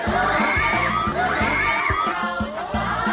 ขอบคุณทุกคน